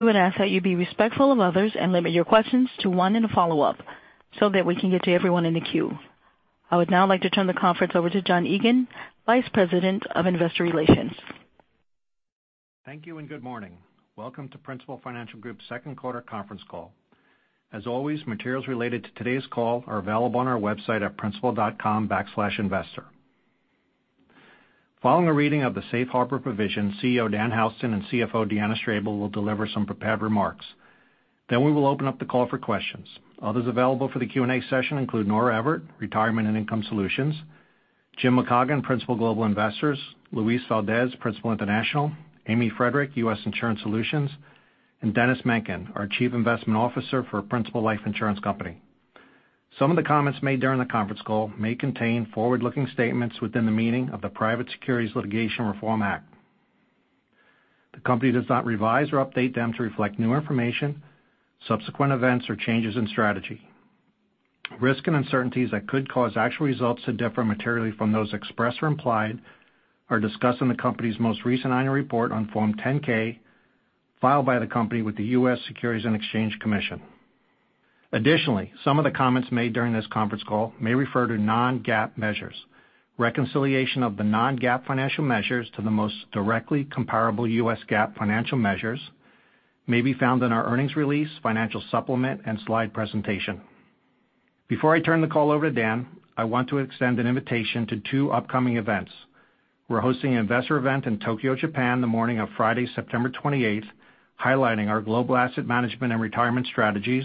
We would ask that you be respectful of others and limit your questions to one and a follow-up so that we can get to everyone in the queue. I would now like to turn the conference over to John Egan, Vice President of Investor Relations. Thank you. Good morning. Welcome to Principal Financial Group's second quarter conference call. As always, materials related to today's call are available on our website at principal.com/investor. Following a reading of the Safe Harbor provisions, CEO Dan Houston and CFO Deanna Strable will deliver some prepared remarks. We will open up the call for questions. Others available for the Q&A session include Nora Everett, Retirement and Income Solutions, Jim McCaughan, Principal Global Investors, Luis Valdés, Principal International, Amy Friedrich, U.S. Insurance Solutions, and Dennis Menken, our Chief Investment Officer for Principal Life Insurance Company. Some of the comments made during the conference call may contain forward-looking statements within the meaning of the Private Securities Litigation Reform Act. The company does not revise or update them to reflect new information, subsequent events, or changes in strategy. Risks and uncertainties that could cause actual results to differ materially from those expressed or implied are discussed in the company's most recent annual report on Form 10-K filed by the company with the U.S. Securities and Exchange Commission. Additionally, some of the comments made during this conference call may refer to non-GAAP measures. Reconciliation of the non-GAAP financial measures to the most directly comparable U.S. GAAP financial measures may be found in our earnings release, financial supplement, and slide presentation. Before I turn the call over to Dan, I want to extend an invitation to two upcoming events. We're hosting an investor event in Tokyo, Japan, the morning of Friday, September 28th, highlighting our global asset management and retirement strategies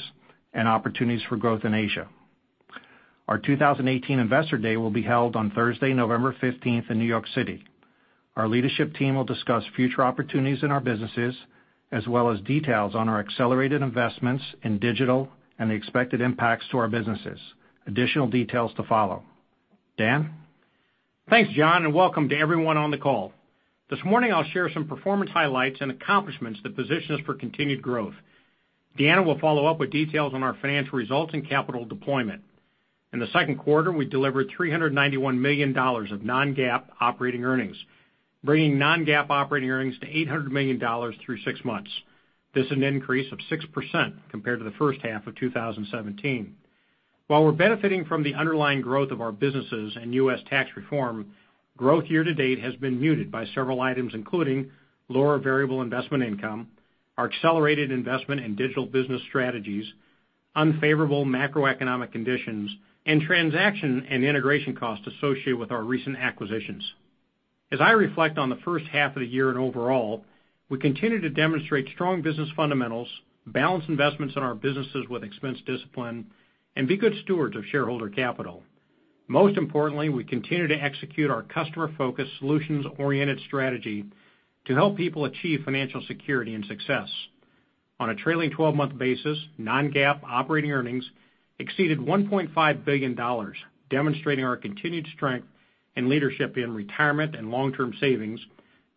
and opportunities for growth in Asia. Our 2018 Investor Day will be held on Thursday, November 15th, in New York City. Our leadership team will discuss future opportunities in our businesses, as well as details on our accelerated investments in digital and the expected impacts to our businesses. Additional details to follow. Dan? Thanks, John, and welcome to everyone on the call. This morning I'll share some performance highlights and accomplishments that position us for continued growth. Deanna Strable will follow up with details on our financial results and capital deployment. In the second quarter, we delivered $391 million of non-GAAP operating earnings, bringing non-GAAP operating earnings to $800 million through six months. This is an increase of 6% compared to the first half of 2017. While we're benefiting from the underlying growth of our businesses and U.S. tax reform, growth year to date has been muted by several items, including lower variable investment income, our accelerated investment in digital business strategies, unfavorable macroeconomic conditions, and transaction and integration costs associated with our recent acquisitions. As I reflect on the first half of the year and overall, we continue to demonstrate strong business fundamentals, balanced investments in our businesses with expense discipline, and be good stewards of shareholder capital. Most importantly, we continue to execute our customer-focused, solutions-oriented strategy to help people achieve financial security and success. On a trailing 12-month basis, non-GAAP operating earnings exceeded $1.5 billion, demonstrating our continued strength and leadership in retirement and long-term savings,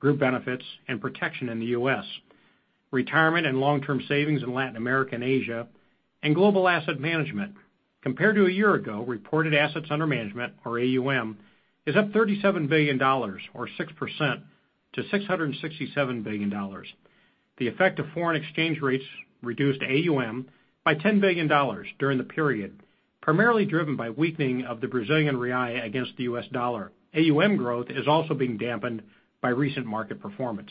group benefits, and protection in the U.S., retirement and long-term savings in Latin America and Asia, and global asset management. Compared to a year ago, reported assets under management, or AUM, is up $37 billion, or 6%, to $667 billion. The effect of foreign exchange rates reduced AUM by $10 billion during the period, primarily driven by weakening of the BRL against the U.S. dollar. AUM growth is also being dampened by recent market performance.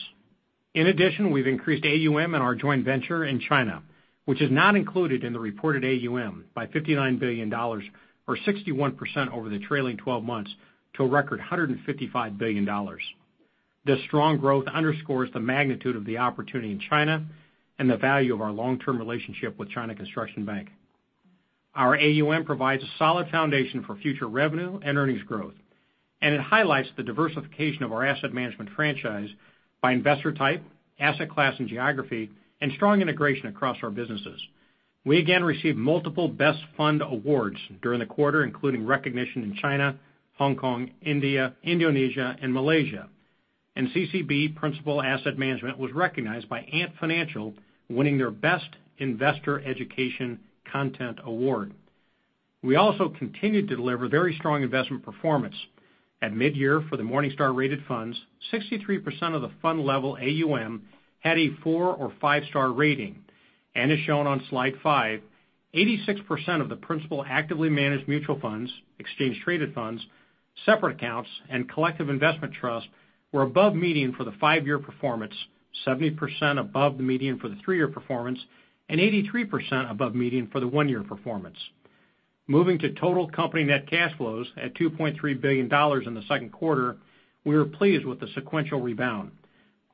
In addition, we've increased AUM in our joint venture in China, which is not included in the reported AUM, by $59 billion, or 61% over the trailing 12 months, to a record $155 billion. This strong growth underscores the magnitude of the opportunity in China and the value of our long-term relationship with China Construction Bank. Our AUM provides a solid foundation for future revenue and earnings growth, it highlights the diversification of our asset management franchise by investor type, asset class and geography, and strong integration across our businesses. We again received multiple best fund awards during the quarter, including recognition in China, Hong Kong, India, Indonesia, and Malaysia. CCB Principal Asset Management was recognized by Ant Financial, winning their Best Investor Education Content award. We also continued to deliver very strong investment performance. At mid-year, for the Morningstar-rated funds, 63% of the fund level AUM had a four or five-star rating. As shown on slide five, 86% of the Principal actively managed mutual funds, exchange-traded funds, separate accounts, and collective investment trusts were above median for the five-year performance, 70% above the median for the three-year performance, and 83% above median for the one-year performance. Moving to total company net cash flows at $2.3 billion in the second quarter, we were pleased with the sequential rebound.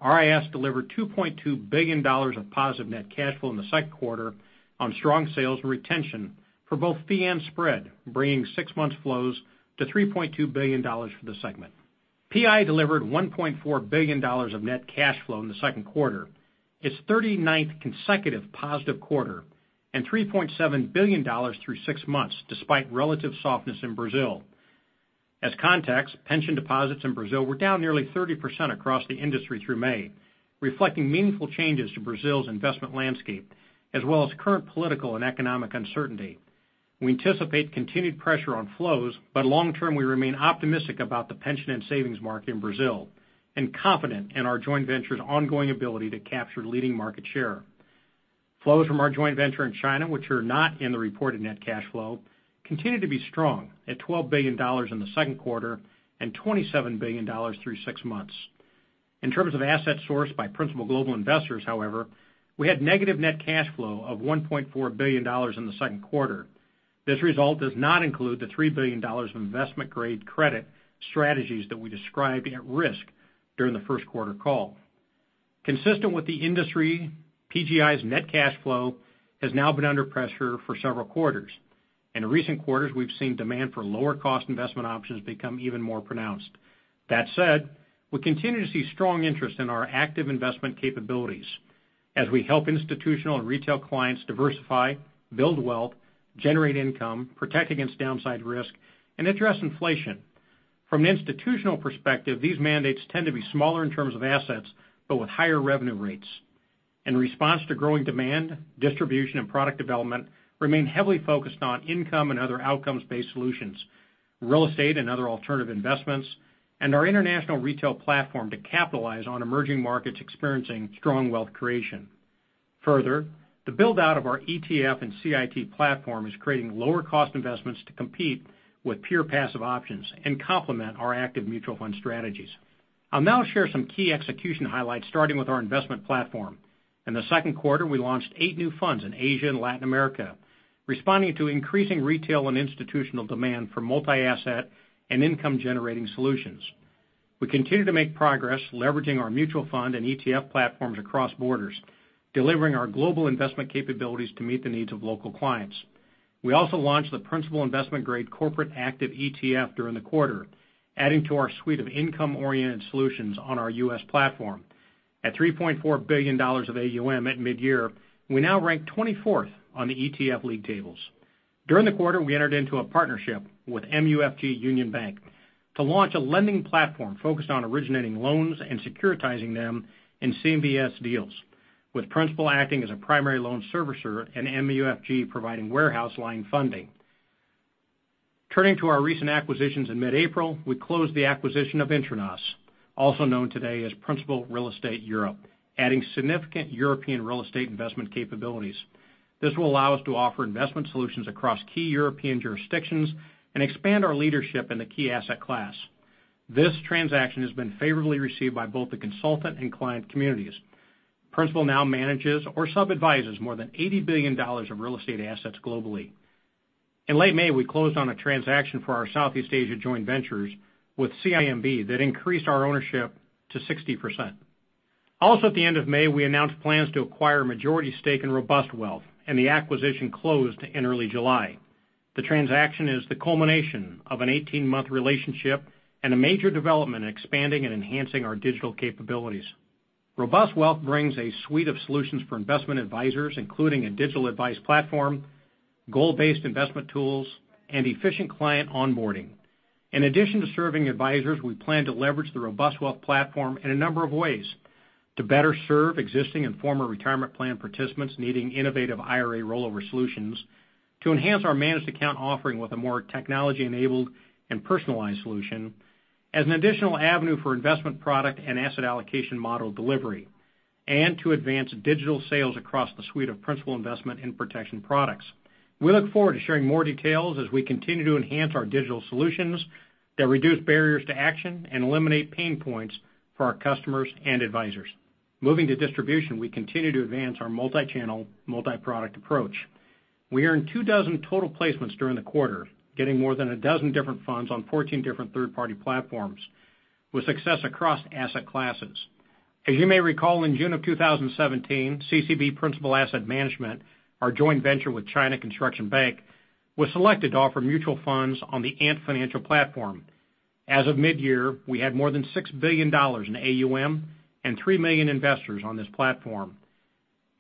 RIS delivered $2.2 billion of positive net cash flow in the second quarter on strong sales and retention for both fee and spread, bringing six months flows to $3.2 billion for the segment. PI delivered $1.4 billion of net cash flow in the second quarter, its 39th consecutive positive quarter, and $3.7 billion through six months, despite relative softness in Brazil. As context, pension deposits in Brazil were down nearly 30% across the industry through May, reflecting meaningful changes to Brazil's investment landscape, as well as current political and economic uncertainty. We anticipate continued pressure on flows, but long term, we remain optimistic about the pension and savings market in Brazil and confident in our joint venture's ongoing ability to capture leading market share. Flows from our joint venture in China, which are not in the reported net cash flow, continue to be strong at $12 billion in the second quarter and $27 billion through six months. In terms of asset source by Principal Global Investors, however, we had negative net cash flow of $1.4 billion in the second quarter. This result does not include the $3 billion of investment-grade credit strategies that we described at risk during the first quarter call. Consistent with the industry, PGI's net cash flow has now been under pressure for several quarters. In recent quarters, we've seen demand for lower cost investment options become even more pronounced. That said, we continue to see strong interest in our active investment capabilities as we help institutional and retail clients diversify, build wealth, generate income, protect against downside risk, and address inflation. From an institutional perspective, these mandates tend to be smaller in terms of assets, but with higher revenue rates. In response to growing demand, distribution and product development remain heavily focused on income and other outcomes-based solutions, real estate and other alternative investments, and our international retail platform to capitalize on emerging markets experiencing strong wealth creation. Further, the build-out of our ETF and CIT platform is creating lower cost investments to compete with pure passive options and complement our active mutual fund strategies. I'll now share some key execution highlights, starting with our investment platform. In the second quarter, we launched eight new funds in Asia and Latin America, responding to increasing retail and institutional demand for multi-asset and income-generating solutions. We continue to make progress leveraging our mutual fund and ETF platforms across borders, delivering our global investment capabilities to meet the needs of local clients. We also launched the Principal investment grade corporate active ETF during the quarter, adding to our suite of income-oriented solutions on our U.S. platform. At $3.4 billion of AUM at mid-year, we now rank 24th on the ETF league tables. During the quarter, we entered into a partnership with MUFG Union Bank to launch a lending platform focused on originating loans and securitizing them in CMBS deals, with Principal acting as a primary loan servicer and MUFG providing warehouse line funding. Turning to our recent acquisitions in mid-April, we closed the acquisition of Internos, also known today as Principal Real Estate Europe, adding significant European real estate investment capabilities. This will allow us to offer investment solutions across key European jurisdictions and expand our leadership in the key asset class. This transaction has been favorably received by both the consultant and client communities. Principal now manages or sub-advises more than $80 billion of real estate assets globally. In late May, we closed on a transaction for our Southeast Asia joint ventures with CIMB that increased our ownership to 60%. Also at the end of May, we announced plans to acquire a majority stake in RobustWealth, and the acquisition closed in early July. The transaction is the culmination of an 18-month relationship and a major development in expanding and enhancing our digital capabilities. RobustWealth brings a suite of solutions for investment advisors, including a digital advice platform, goal-based investment tools, and efficient client onboarding. In addition to serving advisors, we plan to leverage the RobustWealth platform in a number of ways to better serve existing and former retirement plan participants needing innovative IRA rollover solutions, to enhance our managed account offering with a more technology-enabled and personalized solution, as an additional avenue for investment product and asset allocation model delivery, and to advance digital sales across the suite of Principal investment in protection products. We look forward to sharing more details as we continue to enhance our digital solutions that reduce barriers to action and eliminate pain points for our customers and advisors. Moving to distribution, we continue to advance our multi-channel, multi-product approach. We earned two dozen total placements during the quarter, getting more than a dozen different funds on 14 different third-party platforms with success across asset classes. As you may recall, in June of 2017, CCB Principal Asset Management, our joint venture with China Construction Bank, was selected to offer mutual funds on the Ant Financial platform. As of mid-year, we had more than $6 billion in AUM and three million investors on this platform.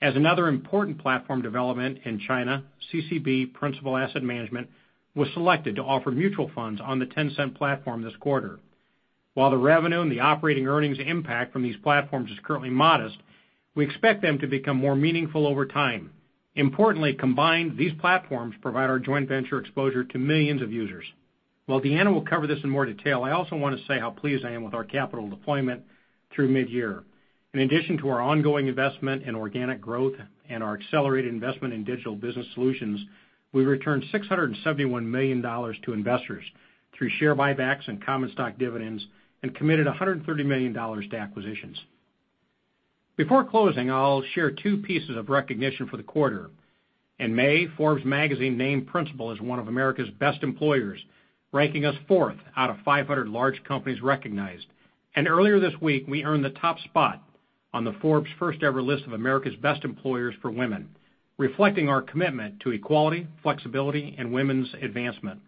As another important platform development in China, CCB Principal Asset Management was selected to offer mutual funds on the Tencent platform this quarter. While the revenue and the operating earnings impact from these platforms is currently modest, we expect them to become more meaningful over time. Importantly, combined, these platforms provide our joint venture exposure to millions of users. While Deanna will cover this in more detail, I also want to say how pleased I am with our capital deployment through mid-year. In addition to our ongoing investment in organic growth and our accelerated investment in digital business solutions, we returned $671 million to investors through share buybacks and common stock dividends and committed $130 million to acquisitions. Before closing, I'll share two pieces of recognition for the quarter. In May, "Forbes" magazine named Principal as one of America's best employers, ranking us fourth out of 500 large companies recognized. Earlier this week, we earned the top spot on the Forbes first-ever list of America's best employers for women, reflecting our commitment to equality, flexibility, and women's advancement.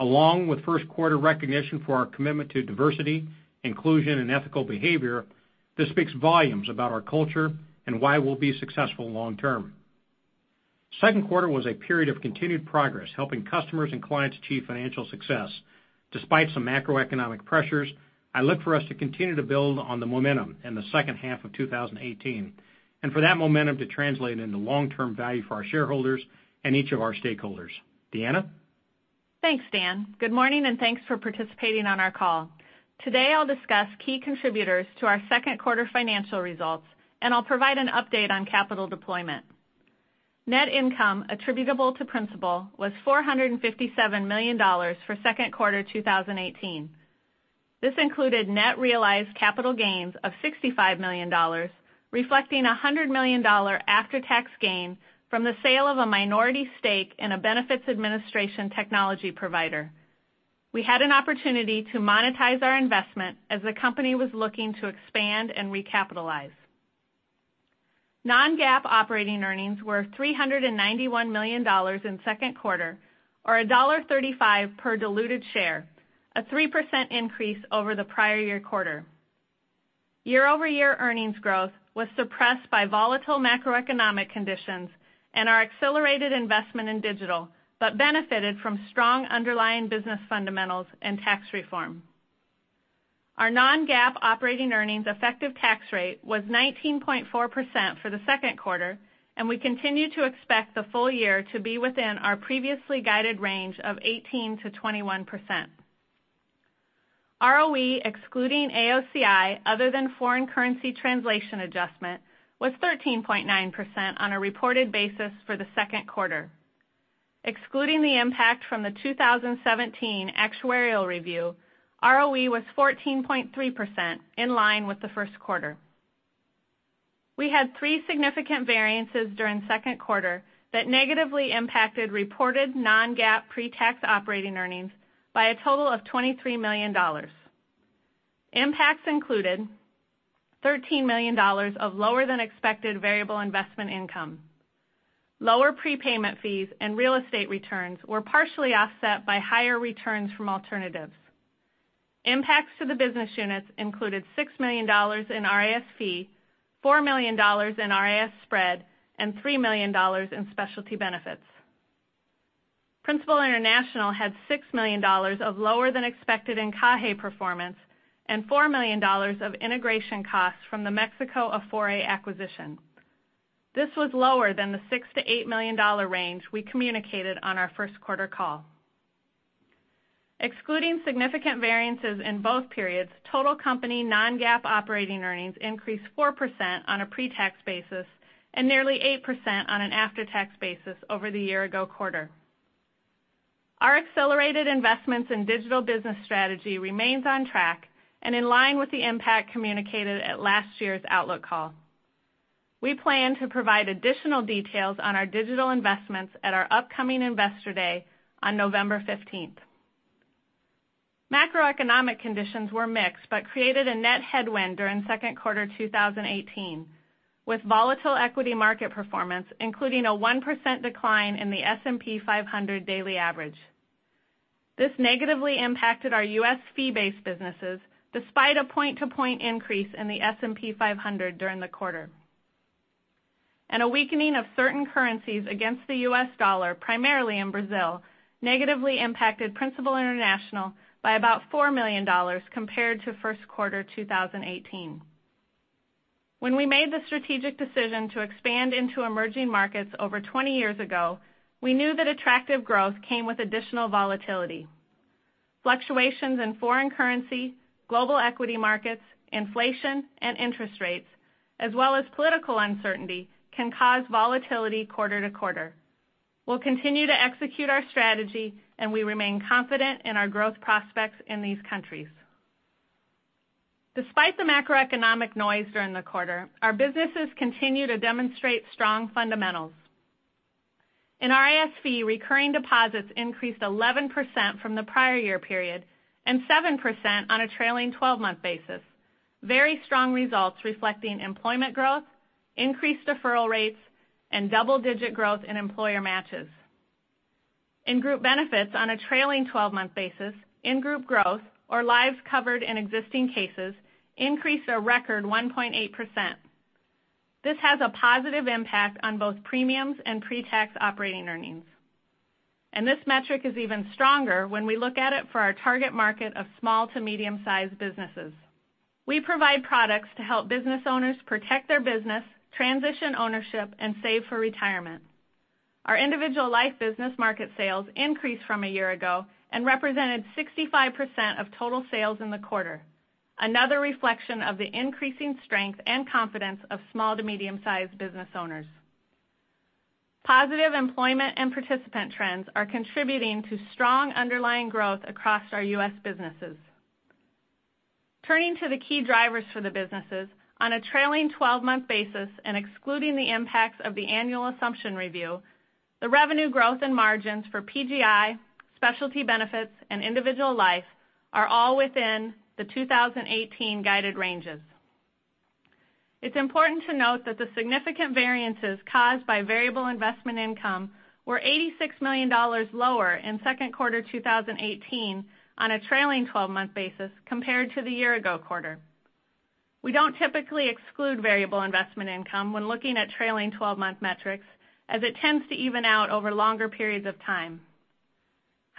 Along with first quarter recognition for our commitment to diversity, inclusion, and ethical behavior, this speaks volumes about our culture and why we'll be successful long term. Second quarter was a period of continued progress, helping customers and clients achieve financial success. Despite some macroeconomic pressures, I look for us to continue to build on the momentum in the second half of 2018 and for that momentum to translate into long-term value for our shareholders and each of our stakeholders. Deanna? Thanks, Dan. Good morning, and thanks for participating on our call. Today, I'll discuss key contributors to our second quarter financial results, and I'll provide an update on capital deployment. Net income attributable to Principal was $457 million for second quarter 2018. This included net realized capital gains of $65 million, reflecting $100 million after-tax gain from the sale of a minority stake in a benefits administration technology provider. We had an opportunity to monetize our investment as the company was looking to expand and recapitalize. Non-GAAP operating earnings were $391 million in second quarter, or $1.35 per diluted share, a 3% increase over the prior year quarter. Year-over-year earnings growth was suppressed by volatile macroeconomic conditions and our accelerated investment in digital, but benefited from strong underlying business fundamentals and tax reform. Our non-GAAP operating earnings effective tax rate was 19.4% for the second quarter, and we continue to expect the full year to be within our previously guided range of 18%-21%. ROE, excluding AOCI, other than foreign currency translation adjustment, was 13.9% on a reported basis for the second quarter. Excluding the impact from the 2017 actuarial review, ROE was 14.3%, in line with the first quarter. We had three significant variances during second quarter that negatively impacted reported non-GAAP pre-tax operating earnings by a total of $23 million. Impacts included $13 million of lower-than-expected variable investment income. Lower prepayment fees and real estate returns were partially offset by higher returns from alternatives. Impacts to the business units included $6 million in RIS fee, $4 million in RIS spread, and $3 million in specialty benefits. Principal International had $6 million of lower than expected encaje performance and $4 million of integration costs from the MetLife Afore acquisition. This was lower than the $6 million-$8 million range we communicated on our first quarter call. Excluding significant variances in both periods, total company non-GAAP operating earnings increased 4% on a pre-tax basis and nearly 8% on an after-tax basis over the year-ago quarter. Our accelerated investments in digital business strategy remains on track and in line with the impact communicated at last year's outlook call. We plan to provide additional details on our digital investments at our upcoming Investor Day on November 15th. Macroeconomic conditions were mixed but created a net headwind during second quarter 2018, with volatile equity market performance, including a 1% decline in the S&P 500 daily average. This negatively impacted our U.S. fee-based businesses, despite a point-to-point increase in the S&P 500 during the quarter. A weakening of certain currencies against the U.S. dollar, primarily in Brazil, negatively impacted Principal International by about $4 million compared to first quarter 2018. When we made the strategic decision to expand into emerging markets over 20 years ago, we knew that attractive growth came with additional volatility. Fluctuations in foreign currency, global equity markets, inflation, and interest rates, as well as political uncertainty, can cause volatility quarter-to-quarter. We'll continue to execute our strategy, and we remain confident in our growth prospects in these countries. Despite the macroeconomic noise during the quarter, our businesses continue to demonstrate strong fundamentals. In RIS-Fee, recurring deposits increased 11% from the prior year period and 7% on a trailing 12-month basis. Very strong results reflecting employment growth, increased deferral rates, and double-digit growth in employer matches. In group benefits, on a trailing 12-month basis, in-group growth, or lives covered in existing cases, increased a record 1.8%. This has a positive impact on both premiums and pre-tax operating earnings. This metric is even stronger when we look at it for our target market of small to medium-sized businesses. We provide products to help business owners protect their business, transition ownership, and save for retirement. Our individual life business market sales increased from a year ago and represented 65% of total sales in the quarter, another reflection of the increasing strength and confidence of small to medium-sized business owners. Positive employment and participant trends are contributing to strong underlying growth across our U.S. businesses. Turning to the key drivers for the businesses, on a trailing 12-month basis and excluding the impacts of the annual assumption review, the revenue growth and margins for PGI, Specialty Benefits, and Individual Life are all within the 2018 guided ranges. It's important to note that the significant variances caused by variable investment income were $86 million lower in second quarter 2018 on a trailing 12-month basis compared to the year-ago quarter. We don't typically exclude variable investment income when looking at trailing 12-month metrics, as it tends to even out over longer periods of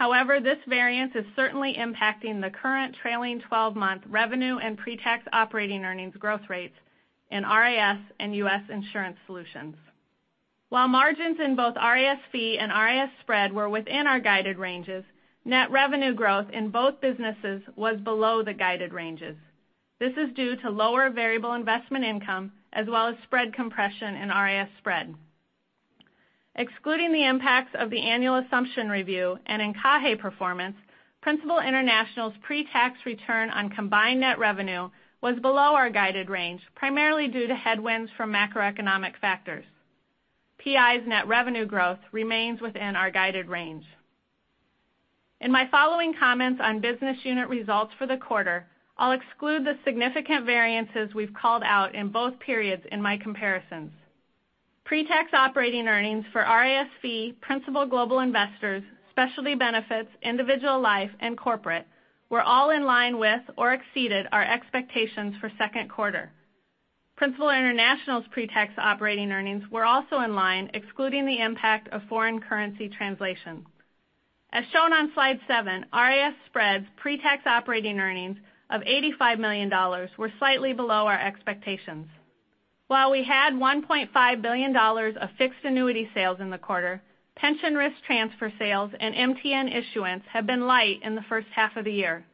time. However, this variance is certainly impacting the current trailing 12-month revenue and pre-tax operating earnings growth rates in RIS and U.S. Insurance Solutions. While margins in both RIS-Fee and RIS Spread were within our guided ranges, net revenue growth in both businesses was below the guided ranges. This is due to lower variable investment income as well as spread compression in RIS Spread. Excluding the impacts of the annual assumption review and in CAHE performance, Principal International's pre-tax return on combined net revenue was below our guided range, primarily due to headwinds from macroeconomic factors. PI's net revenue growth remains within our guided range. In my following comments on business unit results for the quarter, I'll exclude the significant variances we've called out in both periods in my comparisons. Pre-tax operating earnings for RIS-Fee, Principal Global Investors, Specialty Benefits, Individual Life, and Corporate were all in line with or exceeded our expectations for second quarter. Principal International's pre-tax operating earnings were also in line, excluding the impact of foreign currency translation. As shown on slide seven, RIS Spread's pre-tax operating earnings of $85 million were slightly below our expectations. While we had $1.5 billion of fixed annuity sales in the quarter, pension risk transfer sales and MTN issuance have been light in the first half of the year.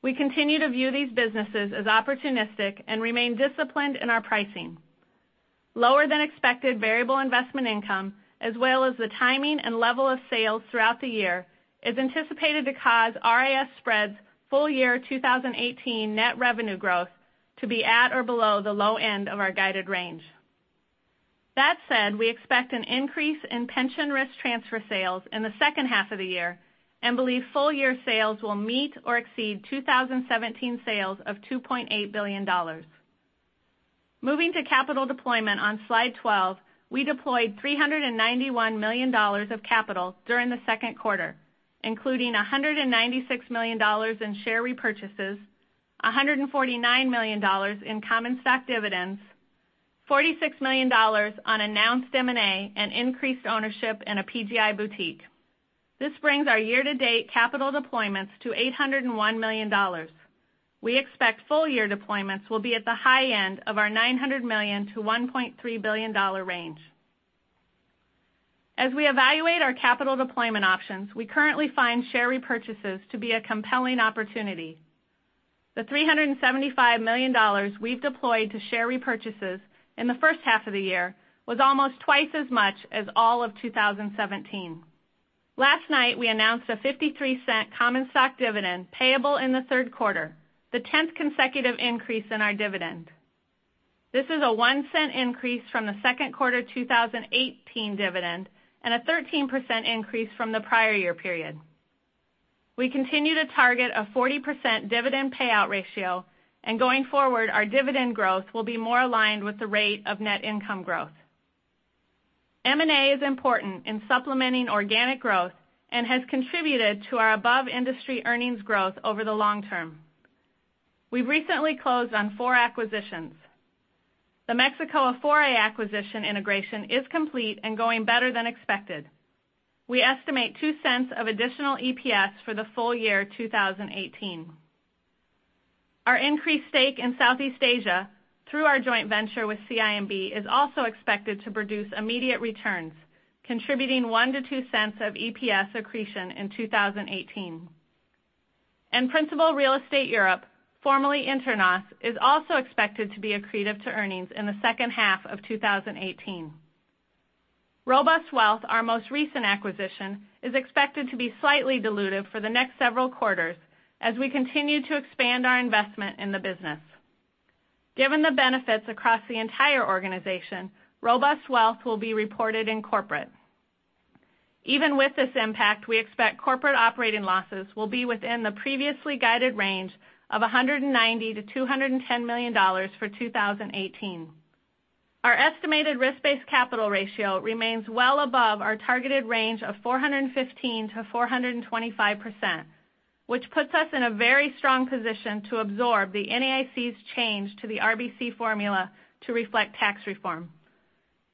We continue to view these businesses as opportunistic and remain disciplined in our pricing. Lower than expected variable investment income, as well as the timing and level of sales throughout the year, is anticipated to cause RIS Spread's full year 2018 net revenue growth to be at or below the low end of our guided range. We expect an increase in pension risk transfer sales in the second half of the year and believe full year sales will meet or exceed 2017 sales of $2.8 billion. Moving to capital deployment on Slide 12, we deployed $391 million of capital during the second quarter, including $196 million in share repurchases, $149 million in common stock dividends, $46 million on announced M&A, and increased ownership in a PGI boutique. This brings our year-to-date capital deployments to $801 million. We expect full year deployments will be at the high end of our $900 million-$1.3 billion range. As we evaluate our capital deployment options, we currently find share repurchases to be a compelling opportunity. The $375 million we've deployed to share repurchases in the first half of the year was almost twice as much as all of 2017. Last night, we announced a $0.53 common stock dividend payable in the third quarter, the 10th consecutive increase in our dividend. This is a $0.01 increase from the second quarter 2018 dividend and a 13% increase from the prior year period. We continue to target a 40% dividend payout ratio, and going forward, our dividend growth will be more aligned with the rate of net income growth. M&A is important in supplementing organic growth and has contributed to our above-industry earnings growth over the long term. We've recently closed on four acquisitions. The Mexico Afore acquisition integration is complete and going better than expected. We estimate $0.02 of additional EPS for the full year 2018. Our increased stake in Southeast Asia through our joint venture with CIMB is also expected to produce immediate returns, contributing $0.01-$0.02 of EPS accretion in 2018. Principal Real Estate Europe, formerly Internos, is also expected to be accretive to earnings in the second half of 2018. RobustWealth, our most recent acquisition, is expected to be slightly dilutive for the next several quarters as we continue to expand our investment in the business. Given the benefits across the entire organization, RobustWealth will be reported in Corporate. Even with this impact, we expect corporate operating losses will be within the previously guided range of $190 million-$210 million for 2018. Our estimated risk-based capital ratio remains well above our targeted range of 415%-425%, which puts us in a very strong position to absorb the NAIC's change to the RBC formula to reflect tax reform.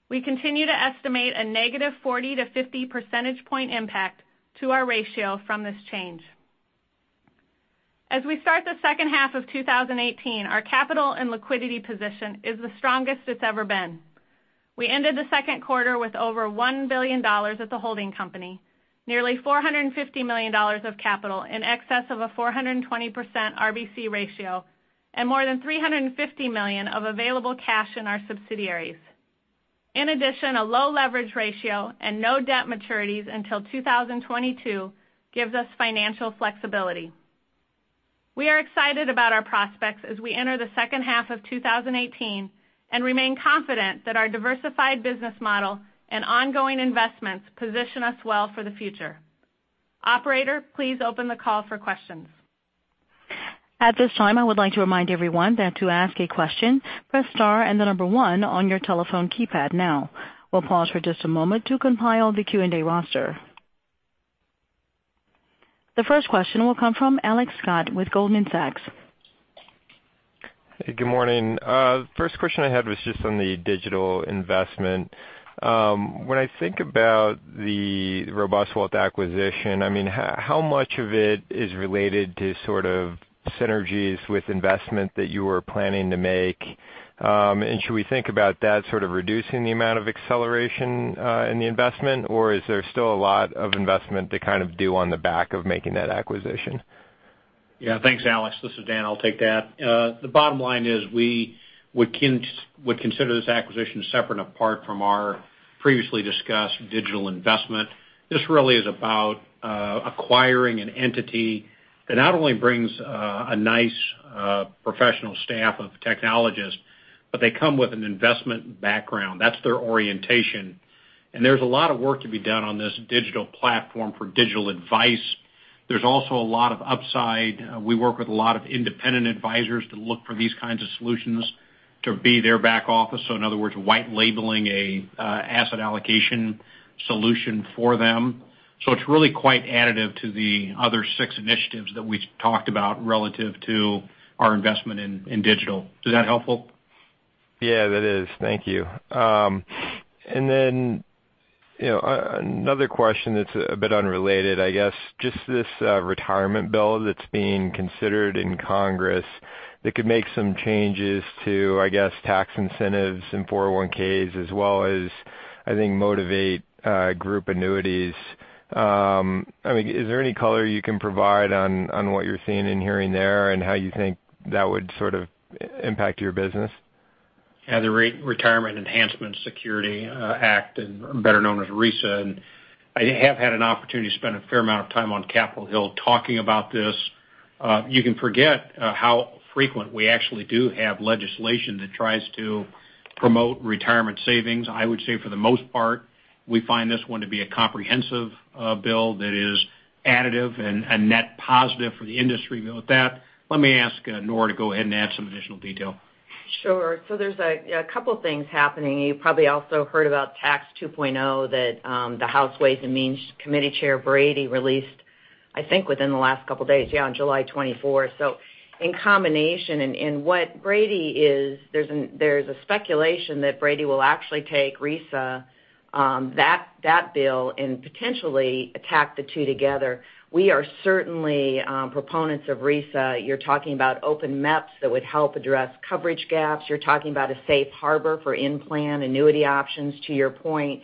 We continue to estimate a negative 40-50 percentage point impact to our ratio from this change. As we start the second half of 2018, our capital and liquidity position is the strongest it's ever been. We ended the second quarter with over $1 billion at the holding company, nearly $450 million of capital in excess of a 420% RBC ratio, and more than $350 million of available cash in our subsidiaries. In addition, a low leverage ratio and no debt maturities until 2022 gives us financial flexibility. We are excited about our prospects as we enter the second half of 2018 and remain confident that our diversified business model and ongoing investments position us well for the future. Operator, please open the call for questions. At this time, I would like to remind everyone that to ask a question, press star and the number one on your telephone keypad now. We'll pause for just a moment to compile the Q&A roster. The first question will come from Alex Scott with Goldman Sachs. Good morning. First question I had was just on the digital investment. When I think about the RobustWealth acquisition, how much of it is related to synergies with investment that you were planning to make? Should we think about that sort of reducing the amount of acceleration in the investment, or is there still a lot of investment to do on the back of making that acquisition? Yeah. Thanks, Alex. This is Dan, I'll take that. The bottom line is we would consider this acquisition separate and apart from our previously discussed digital investment. This really is about acquiring an entity that not only brings a nice professional staff of technologists, but they come with an investment background. That's their orientation. There's a lot of work to be done on this digital platform for digital advice. There's also a lot of upside. We work with a lot of independent advisors to look for these kinds of solutions to be their back office. In other words, white labeling a asset allocation solution for them. It's really quite additive to the other six initiatives that we talked about relative to our investment in digital. Is that helpful? Yeah, that is. Thank you. Another question that's a bit unrelated, I guess. Just this retirement bill that's being considered in Congress that could make some changes to, I guess, tax incentives and 401Ks as well as, I think, motivate group annuities. Is there any color you can provide on what you're seeing and hearing there and how you think that would impact your business? Yeah, the Retirement Enhancement and Savings Act, better known as RESA. I have had an opportunity to spend a fair amount of time on Capitol Hill talking about this. You can forget how frequent we actually do have legislation that tries to promote retirement savings. I would say for the most part, we find this one to be a comprehensive bill that is additive and net positive for the industry. With that, let me ask Nora to go ahead and add some additional detail. Sure. There's a couple of things happening. You probably also heard about Tax Reform 2.0 that the House Ways and Means Committee Chair Brady released, I think within the last couple of days. Yeah, on July 24. In combination in what Brady is, there's a speculation that Brady will actually take RESA, that bill, and potentially attack the two together. We are certainly proponents of RESA. You're talking about open MEPs that would help address coverage gaps. You're talking about a safe harbor for in-plan annuity options, to your point.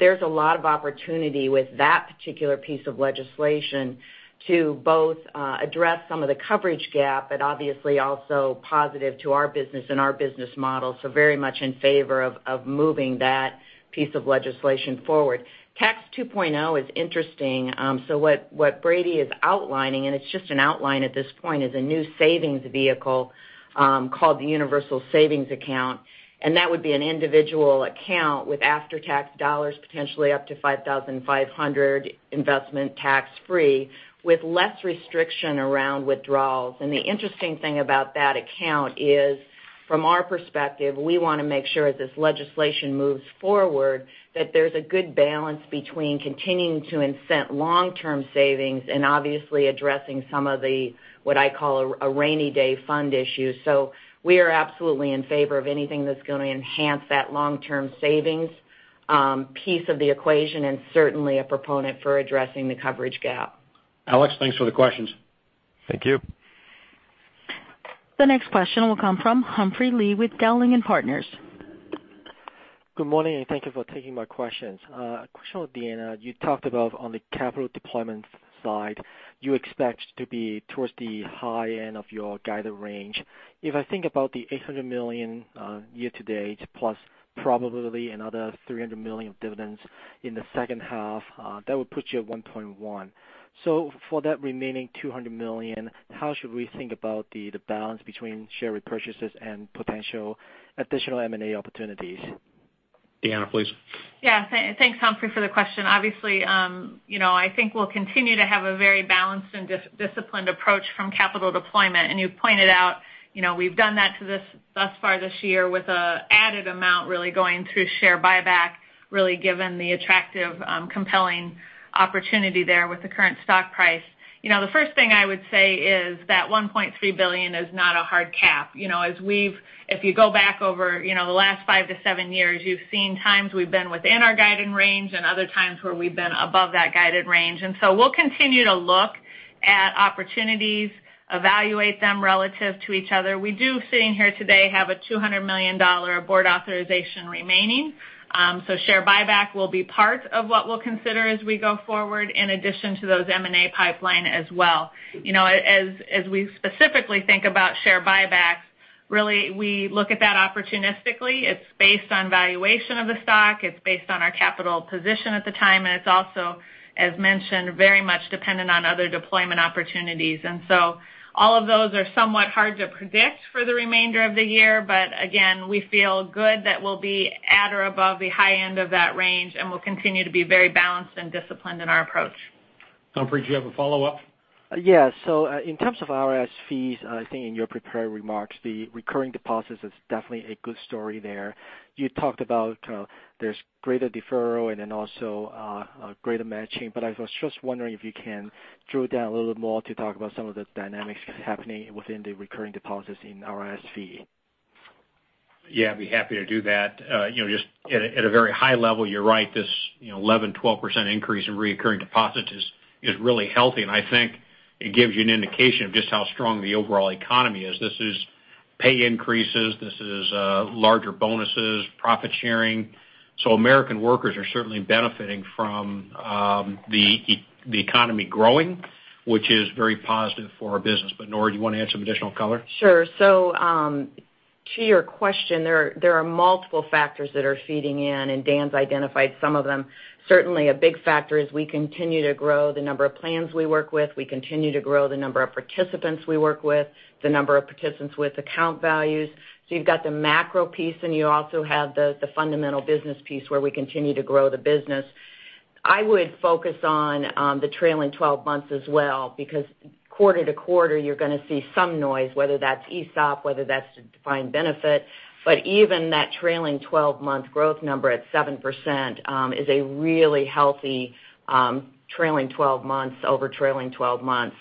There's a lot of opportunity with that particular piece of legislation to both address some of the coverage gap, but obviously also positive to our business and our business model, very much in favor of moving that piece of legislation forward. Tax Reform 2.0 is interesting. What Brady is outlining, and it's just an outline at this point, is a new savings vehicle called the Universal Savings Account. That would be an individual account with after-tax dollars, potentially up to $5,500 investment tax-free, with less restriction around withdrawals. The interesting thing about that account is, from our perspective, we want to make sure as this legislation moves forward, that there's a good balance between continuing to incent long-term savings and obviously addressing some of the, what I call a rainy day fund issue. We are absolutely in favor of anything that's going to enhance that long-term savings piece of the equation, and certainly a proponent for addressing the coverage gap. Alex, thanks for the questions. Thank you. The next question will come from Humphrey Lee with Dowling & Partners. Good morning, thank you for taking my questions. A question with Deanna. You talked about on the capital deployment side, you expect to be towards the high end of your guided range. If I think about the $800 million year to date, plus probably another $300 million of dividends in the second half, that would put you at $1.1. For that remaining $200 million, how should we think about the balance between share repurchases and potential additional M&A opportunities? Deanna, please. Yeah. Thanks, Humphrey, for the question. Obviously, I think we'll continue to have a very balanced and disciplined approach from capital deployment. You pointed out we've done that thus far this year with added amount really going through share buyback, really given the attractive compelling opportunity there with the current stock price. The first thing I would say is that $1.3 billion is not a hard cap. If you go back over the last five to seven years, you've seen times we've been within our guided range and other times where we've been above that guided range. We'll continue to look at opportunities, evaluate them relative to each other. We do, sitting here today, have a $200 million board authorization remaining. Share buyback will be part of what we'll consider as we go forward in addition to those M&A pipeline as well. As we specifically think about share buybacks, really, we look at that opportunistically. It's based on valuation of the stock. It's based on our capital position at the time, and it's also, as mentioned, very much dependent on other deployment opportunities. All of those are somewhat hard to predict for the remainder of the year. Again, we feel good that we'll be at or above the high end of that range, and we'll continue to be very balanced and disciplined in our approach. Humphrey, do you have a follow-up? Yeah. In terms of RIS fees, I think in your prepared remarks, the recurring deposits is definitely a good story there. You talked about there's greater deferral and then also greater matching, but I was just wondering if you can drill down a little more to talk about some of the dynamics that's happening within the recurring deposits in RIS fee. I'd be happy to do that. Just at a very high level, you're right. This 11, 12% increase in recurring deposits is really healthy. I think it gives you an indication of just how strong the overall economy is. This is pay increases, this is larger bonuses, profit sharing. American workers are certainly benefiting from the economy growing, which is very positive for our business. Nora, do you want to add some additional color? Sure. To your question, there are multiple factors that are feeding in, Dan's identified some of them. Certainly a big factor is we continue to grow the number of plans we work with. We continue to grow the number of participants we work with, the number of participants with account values. You've got the macro piece, you also have the fundamental business piece where we continue to grow the business. I would focus on the trailing 12 months as well, because quarter-to-quarter, you're going to see some noise, whether that's ESOP, whether that's defined benefit. Even that trailing 12-month growth number at 7% is a really healthy trailing 12 months over trailing 12 months.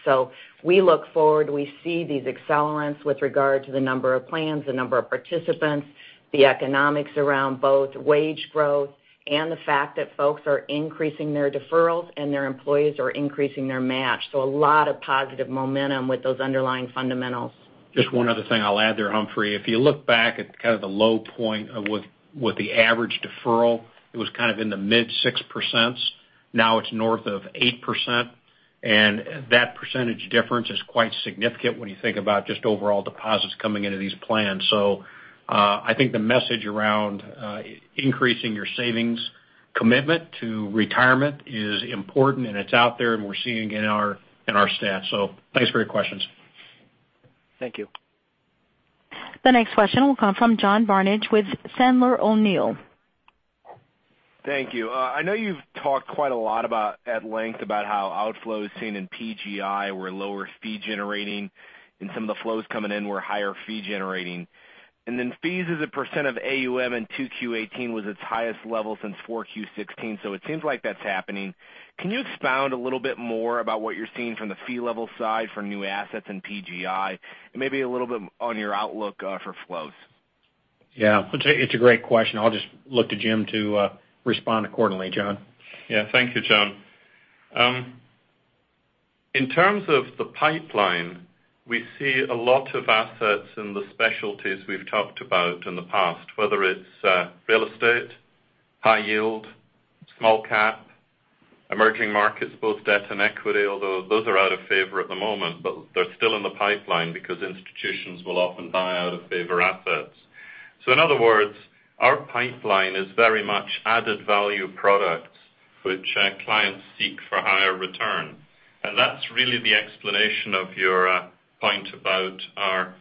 We look forward, we see these accelerants with regard to the number of plans, the number of participants, the economics around both wage growth, the fact that folks are increasing their deferrals, their employees are increasing their match. A lot of positive momentum with those underlying fundamentals. Just one other thing I'll add there, Humphrey. If you look back at kind of the low point with the average deferral, it was kind of in the mid six %. Now it's north of 8%, that percentage difference is quite significant when you think about just overall deposits coming into these plans. I think the message around increasing your savings commitment to retirement is important, it's out there, we're seeing it in our stats. Thanks for your questions. Thank you. The next question will come from John Barnidge with Sandler O'Neill. Thank you. I know you've talked quite a lot about, at length, about how outflows seen in PGI were lower fee generating, and some of the flows coming in were higher fee generating. Fees as a percent of AUM in Q2 2018 was its highest level since Q4 2016. It seems like that's happening. Can you expound a little bit more about what you're seeing from the fee level side for new assets in PGI and maybe a little bit on your outlook for flows? Yeah. It's a great question. I'll just look to Jim to respond accordingly, John. Thank you, John. In terms of the pipeline, we see a lot of assets in the specialties we've talked about in the past, whether it's real estate, high yield, small-cap, emerging markets, both debt and equity, although those are out of favor at the moment. They're still in the pipeline because institutions will often buy out of favor assets. In other words, our pipeline is very much added value products which clients seek for higher return. That's really the explanation of your point about our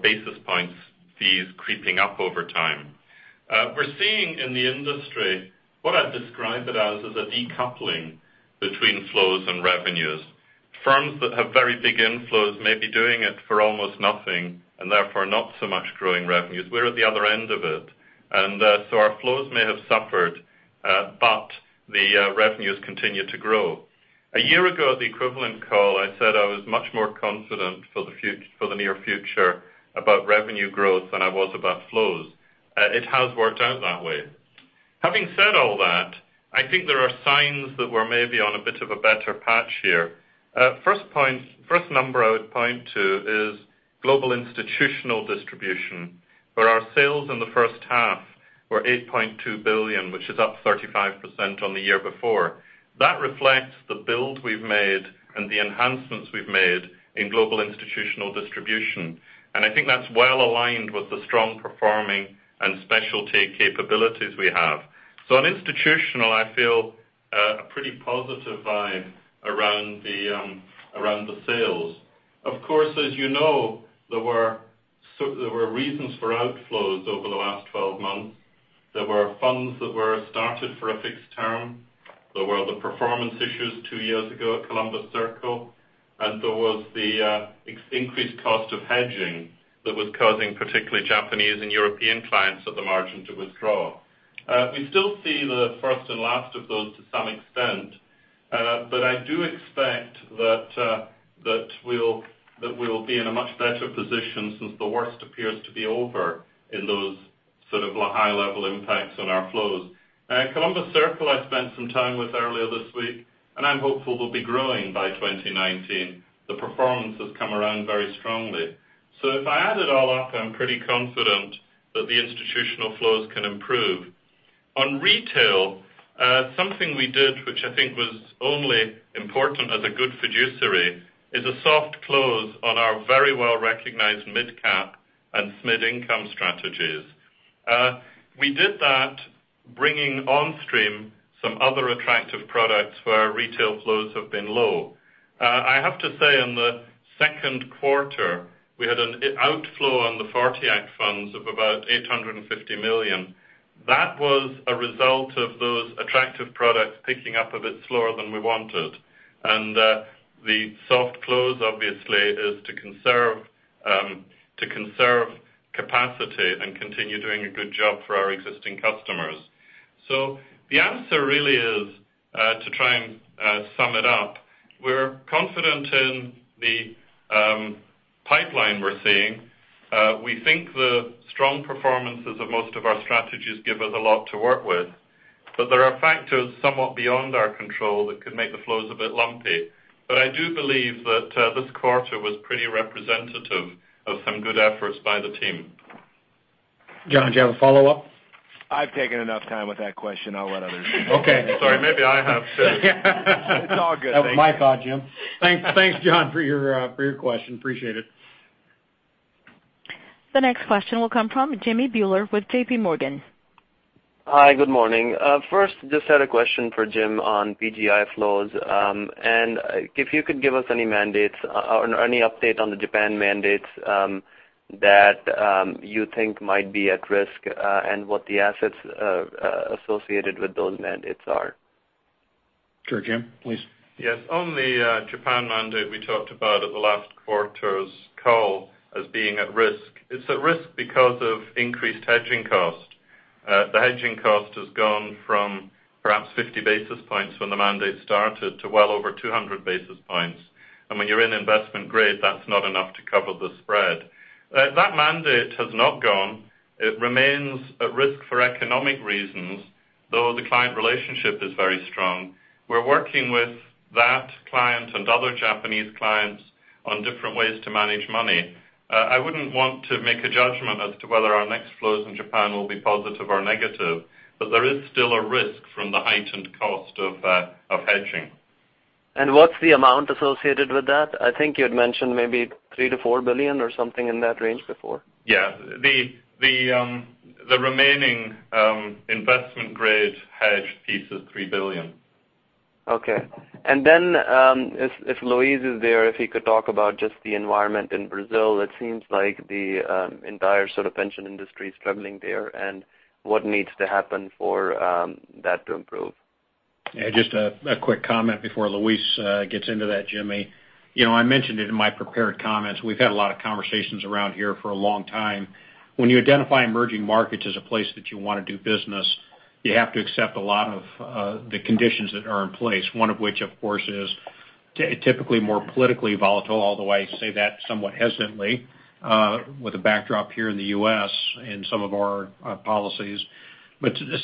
basis points fees creeping up over time. We're seeing in the industry what I'd describe it as, is a decoupling between flows and revenues. Firms that have very big inflows may be doing it for almost nothing and therefore not so much growing revenues. We're at the other end of it. Our flows may have suffered, but the revenues continue to grow. A year ago, at the equivalent call, I said I was much more confident for the near future about revenue growth than I was about flows. It has worked out that way. Having said all that, I think there are signs that we're maybe on a bit of a better patch here. First number I would point to is global institutional distribution, where our sales in the first half were $8.2 billion, which is up 35% on the year before. That reflects the build we've made and the enhancements we've made in global institutional distribution. I think that's well aligned with the strong performing and specialty capabilities we have. On institutional, I feel a pretty positive vibe around the sales. Of course, as you know, there were reasons for outflows over the last 12 months. There were funds that were started for a fixed term. There were the performance issues two years ago at Columbus Circle, and there was the increased cost of hedging that was causing particularly Japanese and European clients at the margin to withdraw. We still see the first and last of those to some extent. I do expect that we'll be in a much better position since the worst appears to be over in those sort of high-level impacts on our flows. Columbus Circle I spent some time with earlier this week, and I'm hopeful we'll be growing by 2019. The performance has come around very strongly. If I add it all up, I'm pretty confident that the institutional flows can improve. On retail, something we did, which I think was only important as a good fiduciary, is a soft close on our very well-recognized mid-cap and SMID income strategies. We did that bringing on stream some other attractive products where our retail flows have been low. I have to say, in the second quarter, we had an outflow on the '40 Act funds of about $850 million. That was a result of those attractive products picking up a bit slower than we wanted. The soft close, obviously, is to conserve capacity and continue doing a good job for our existing customers. The answer really is Sum it up. We're confident in the pipeline we're seeing. We think the strong performances of most of our strategies give us a lot to work with. There are factors somewhat beyond our control that could make the flows a bit lumpy. I do believe that this quarter was pretty representative of some good efforts by the team. John, do you have a follow-up? I've taken enough time with that question. I'll let others. Okay. Sorry, maybe I have too. It's all good. Thank you. That was my thought, Jim. Thanks, John, for your question. Appreciate it. The next question will come from Jimmy Bhullar with J.P. Morgan. Hi, good morning. First, just had a question for Jim on PGI flows. If you could give us any mandates or any update on the Japan mandates that you think might be at risk, and what the assets associated with those mandates are. Sure. Jim, please. Yes. On the Japan mandate, we talked about at the last quarter's call as being at risk. It's at risk because of increased hedging cost. The hedging cost has gone from perhaps 50 basis points when the mandate started to well over 200 basis points. When you're in investment grade, that's not enough to cover the spread. That mandate has not gone. It remains at risk for economic reasons, though the client relationship is very strong. We're working with that client and other Japanese clients on different ways to manage money. I wouldn't want to make a judgment as to whether our next flows in Japan will be positive or negative, but there is still a risk from the heightened cost of hedging. What's the amount associated with that? I think you'd mentioned maybe $3 billion-$4 billion or something in that range before. Yeah. The remaining investment grade hedged piece is $3 billion. Okay. Then, if Luis is there, if he could talk about just the environment in Brazil. It seems like the entire sort of pension industry is struggling there, and what needs to happen for that to improve. Yeah, just a quick comment before Luis Valdés gets into that, Jimmie. I mentioned it in my prepared comments. We've had a lot of conversations around here for a long time. When you identify emerging markets as a place that you want to do business, you have to accept a lot of the conditions that are in place, one of which, of course, is typically more politically volatile, although I say that somewhat hesitantly, with a backdrop here in the U.S. and some of our policies.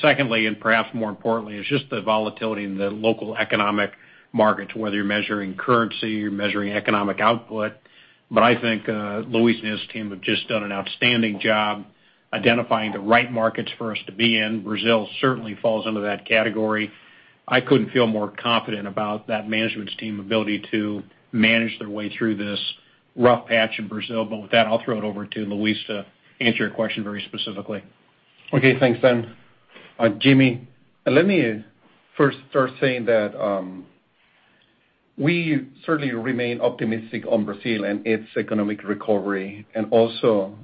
Secondly, and perhaps more importantly, is just the volatility in the local economic markets, whether you're measuring currency, you're measuring economic output. I think Luis Valdés and his team have just done an outstanding job identifying the right markets for us to be in. Brazil certainly falls into that category. I couldn't feel more confident about that management's team ability to manage their way through this rough patch in Brazil. With that, I'll throw it over to Luis Valdés to answer your question very specifically. Okay, thanks, Daniel. Jimmie, let me first start saying that we certainly remain optimistic on Brazil and its economic recovery. Also,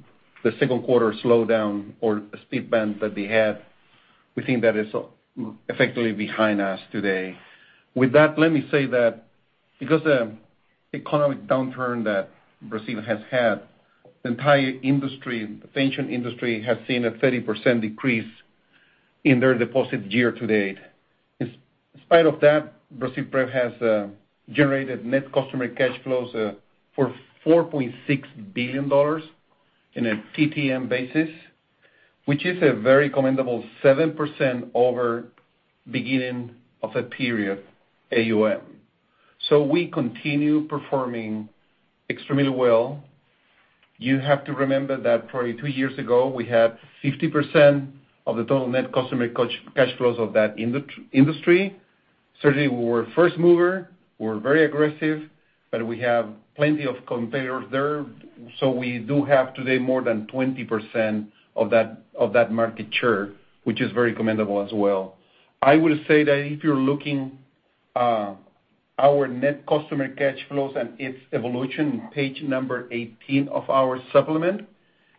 the second quarter slowdown or speed bump that they had, we think that is effectively behind us today. With that, let me say that because the economic downturn that Brazil has had, the entire industry, the pension industry, has seen a 30% decrease in their deposit year to date. In spite of that, Brasilprev has generated net customer cash flows for $4.6 billion in a TTM basis, which is a very commendable 7% over beginning of a period AUM. We continue performing extremely well. You have to remember that probably three years ago, we had 50% of the total net customer cash flows of that industry. Certainly, we were a first mover. We were very aggressive, but we have plenty of competitors there. We do have today more than 20% of that market share, which is very commendable as well. I would say that if you're looking our net customer cash flows and its evolution, page number 18 of our supplement,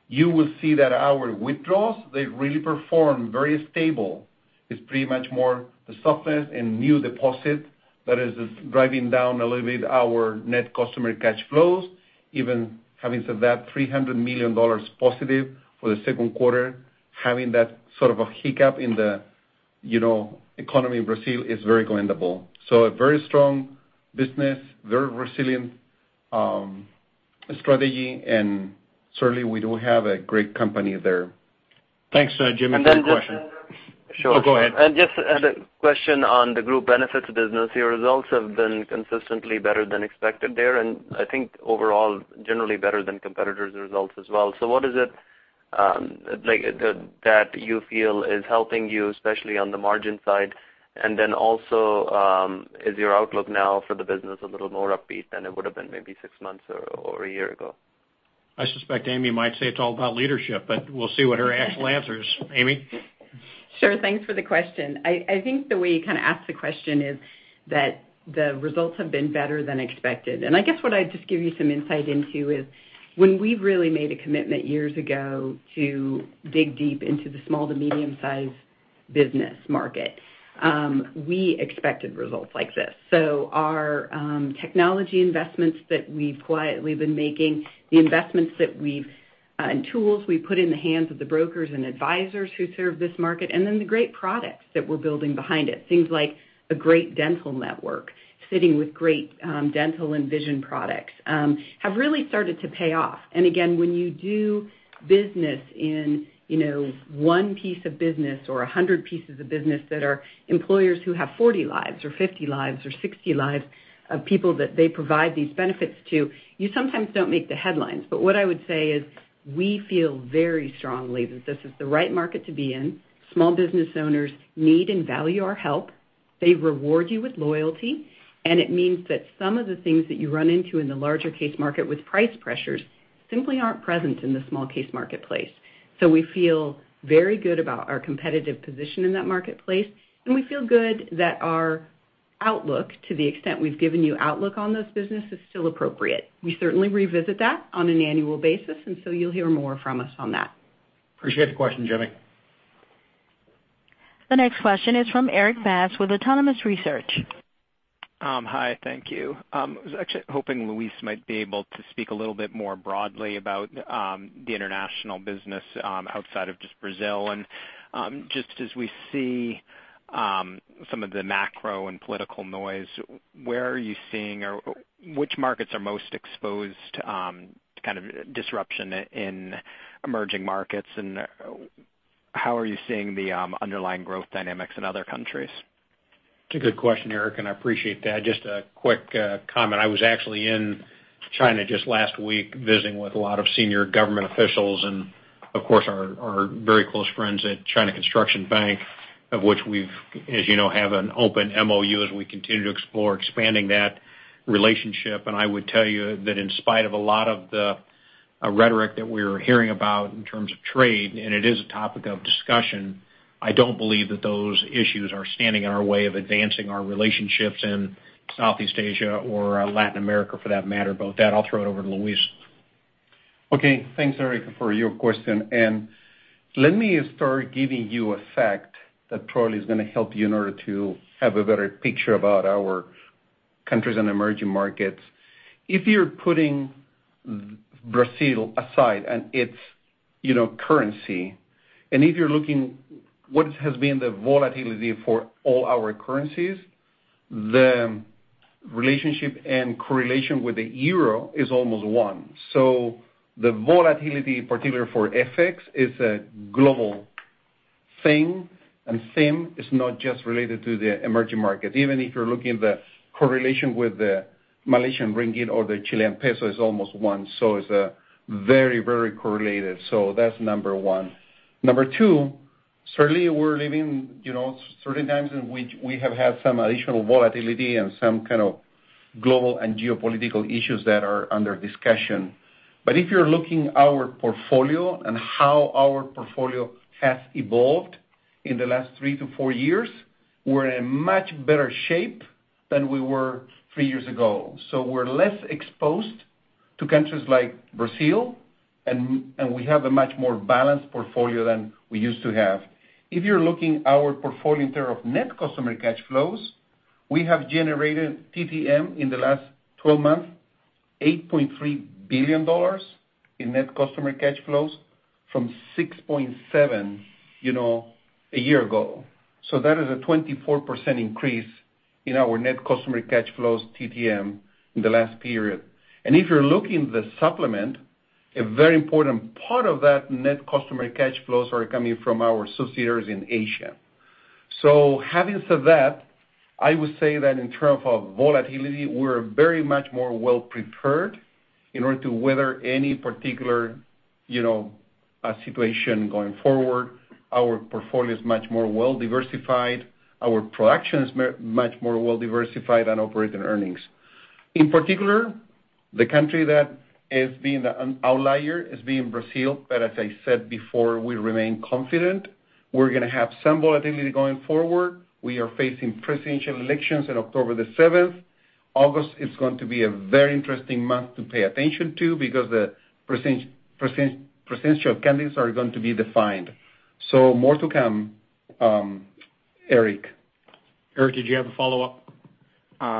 you will see that our withdrawals, they've really performed very stable. It's pretty much more the softness in new deposit that is driving down a little bit our net customer cash flows, even having said that, $300 million positive for the second quarter, having that sort of a hiccup in the economy in Brazil is very commendable. A very strong business, very resilient strategy, and certainly we do have a great company there. Thanks, Jimmie, great question. And then just- Oh, go ahead. I just had a question on the group benefits business. Your results have been consistently better than expected there, and I think overall, generally better than competitors' results as well. What is it that you feel is helping you, especially on the margin side? Also, is your outlook now for the business a little more upbeat than it would have been maybe six months or a year ago? I suspect Amy might say it's all about leadership, but we'll see what her actual answer is. Amy? Sure. Thanks for the question. I think the way you kind of asked the question is that the results have been better than expected. I guess what I'd just give you some insight into is when we really made a commitment years ago to dig deep into the small to medium-sized business market, we expected results like this. Our technology investments that we've quietly been making, the investments that we've Tools we put in the hands of the brokers and advisors who serve this market, the great products that we're building behind it. Things like a great dental network, sitting with great dental and vision products, have really started to pay off. Again, when you do business in one piece of business or 100 pieces of business that are employers who have 40 lives or 50 lives or 60 lives of people that they provide these benefits to, you sometimes don't make the headlines. What I would say is we feel very strongly that this is the right market to be in. Small business owners need and value our help. They reward you with loyalty, and it means that some of the things that you run into in the larger case market with price pressures simply aren't present in the small case marketplace. We feel very good about our competitive position in that marketplace, and we feel good that our outlook, to the extent we've given you outlook on this business, is still appropriate. We certainly revisit that on an annual basis, you'll hear more from us on that. Appreciate the question, Jimmie. The next question is from Erik Bass with Autonomous Research. Hi, thank you. I was actually hoping Luis might be able to speak a little bit more broadly about the international business outside of just Brazil. Just as we see some of the macro and political noise, where are you seeing or which markets are most exposed to kind of disruption in emerging markets, and how are you seeing the underlying growth dynamics in other countries? It's a good question, Erik, and I appreciate that. Just a quick comment. I was actually in China just last week visiting with a lot of senior government officials and of course, our very close friends at China Construction Bank, of which we've, as you know, have an open MOU as we continue to explore expanding that relationship. I would tell you that in spite of a lot of the rhetoric that we're hearing about in terms of trade, and it is a topic of discussion, I don't believe that those issues are standing in our way of advancing our relationships in Southeast Asia or Latin America for that matter. With that, I'll throw it over to Luis. Okay. Thanks, Erik, for your question. Let me start giving you a fact that probably is going to help you in order to have a better picture about our countries and emerging markets. If you're putting Brazil aside and its currency, if you're looking what has been the volatility for all our currencies, the relationship and correlation with the euro is almost one. The volatility, particularly for FX, is a global thing, and same is not just related to the emerging markets. Even if you're looking at the correlation with the Malaysian ringgit or the Chilean peso, it's almost one. It's very correlated. That's number one. Number two, certainly we're living certain times in which we have had some additional volatility and some kind of global and geopolitical issues that are under discussion. If you're looking our portfolio and how our portfolio has evolved in the last three to four years, we're in a much better shape than we were three years ago. We're less exposed to countries like Brazil, and we have a much more balanced portfolio than we used to have. If you're looking our portfolio in terms of net customer cash flows, we have generated TTM in the last 12 months, $8.3 billion in net customer cash flows from $6.7 a year ago. That is a 24% increase in our net customer cash flows TTM in the last period. If you're looking the supplement, a very important part of that net customer cash flows are coming from our associates in Asia. Having said that, I would say that in terms of volatility, we're very much more well-prepared in order to weather any particular situation going forward. Our portfolio is much more well-diversified. Our production is much more well-diversified than operating earnings. In particular, the country that is being the outlier is being Brazil. As I said before, we remain confident. We're going to have some volatility going forward. We are facing presidential elections on October 7th. August is going to be a very interesting month to pay attention to because the presidential candidates are going to be defined. More to come, Erik. Erik, did you have a follow-up?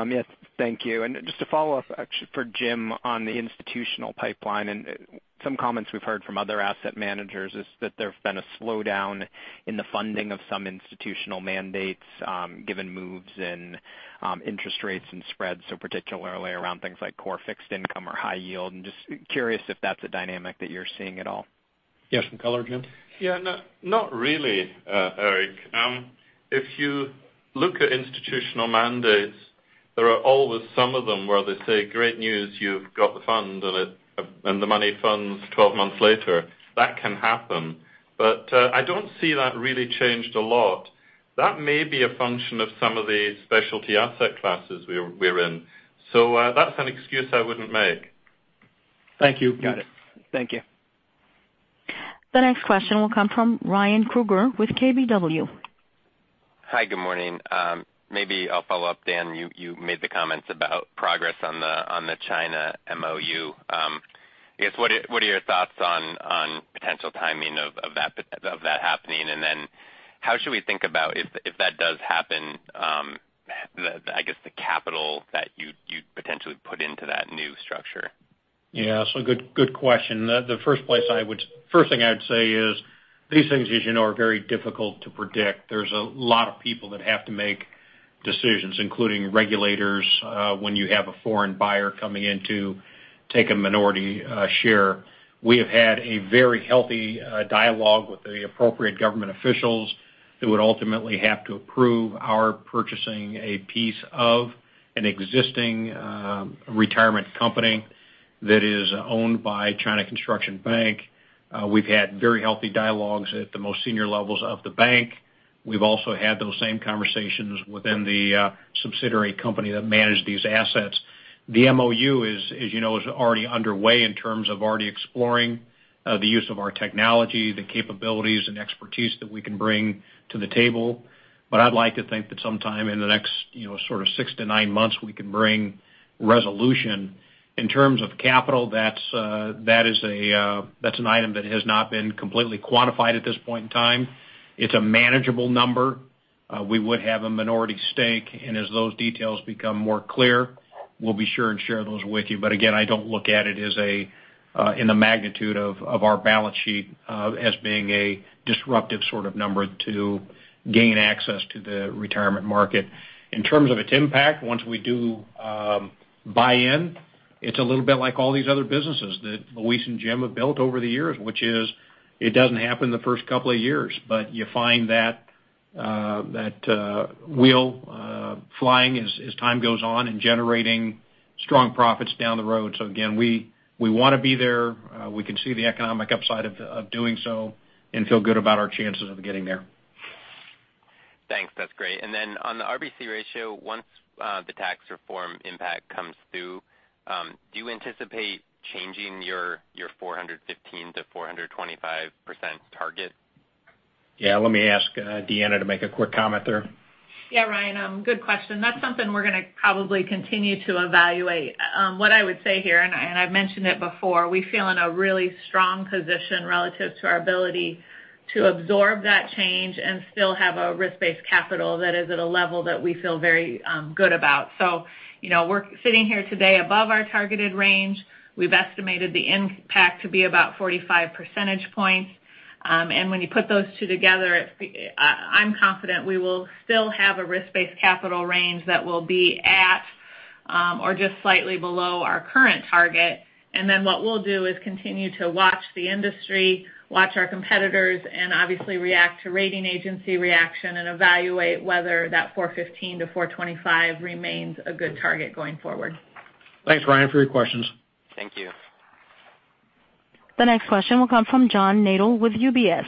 Yes. Thank you. Just a follow-up, actually, for Jim on the institutional pipeline, and some comments we've heard from other asset managers is that there's been a slowdown in the funding of some institutional mandates given moves in interest rates and spreads, so particularly around things like core fixed income or high yield. I'm just curious if that's a dynamic that you're seeing at all. You have some color, Jim? Yeah, not really, Erik. If you look at institutional mandates, there are always some of them where they say, "Great news, you've got the fund," and the money funds 12 months later. That can happen. I don't see that really changed a lot. That may be a function of some of the specialty asset classes we're in. That's an excuse I wouldn't make. Thank you. Got it. Thank you. The next question will come from Ryan Krueger with KBW. Hi, good morning. Maybe I'll follow up, Dan, you made the comments about progress on the China MOU. I guess, what are your thoughts on potential timing of that happening? How should we think about if that does happen, the capital that you'd potentially put into that new structure? Yeah. Good question. The first thing I would say is these things, as you know, are very difficult to predict. There's a lot of people that have to make decisions, including regulators, when you have a foreign buyer coming in to take a minority share. We have had a very healthy dialogue with the appropriate government officials who would ultimately have to approve our purchasing a piece of an existing retirement company that is owned by China Construction Bank. We've had very healthy dialogues at the most senior levels of the bank. We've also had those same conversations within the subsidiary company that managed these assets. The MoU, as you know, is already underway in terms of already exploring the use of our technology, the capabilities and expertise that we can bring to the table. I'd like to think that sometime in the next six to nine months, we can bring resolution. In terms of capital, that's an item that has not been completely quantified at this point in time. It's a manageable number. We would have a minority stake, as those details become more clear, we'll be sure and share those with you. Again, I don't look at it in the magnitude of our balance sheet as being a disruptive sort of number to gain access to the retirement market. In terms of its impact, once we do buy in, it's a little bit like all these other businesses that Luis and Jim have built over the years, which is it doesn't happen the first couple of years, but you find that wheel flying as time goes on and generating strong profits down the road. Again, we want to be there. We can see the economic upside of doing so and feel good about our chances of getting there. Thanks. That's great. Then on the RBC ratio, once the tax reform impact comes through, do you anticipate changing your 415%-425% target? Let me ask Deanna to make a quick comment there. Ryan, good question. That's something we're going to probably continue to evaluate. What I would say here, and I've mentioned it before, we feel in a really strong position relative to our ability to absorb that change and still have a risk-based capital that is at a level that we feel very good about. We're sitting here today above our targeted range. We've estimated the impact to be about 45 percentage points. When you put those two together, I'm confident we will still have a risk-based capital range that will be at or just slightly below our current target. Then what we'll do is continue to watch the industry, watch our competitors, and obviously react to rating agency reaction and evaluate whether that 415%-425% remains a good target going forward. Thanks, Ryan, for your questions. Thank you. The next question will come from John Nadel with UBS.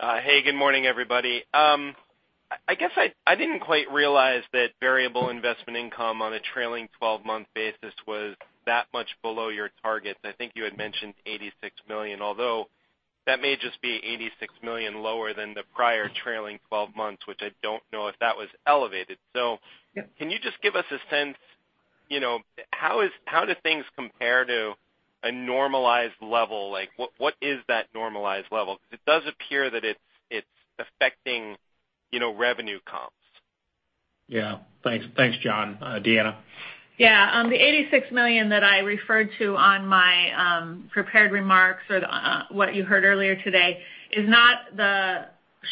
Hey, good morning, everybody. I guess I didn't quite realize that variable investment income on a trailing 12-month basis was that much below your target. I think you had mentioned $86 million. That may just be $86 million lower than the prior trailing 12 months, which I don't know if that was elevated. Yeah Can you just give us a sense, how do things compare to a normalized level? What is that normalized level? It does appear that it's affecting revenue comps. Yeah. Thanks, John. Deanna? Yeah. The $86 million that I referred to on my prepared remarks or what you heard earlier today is not the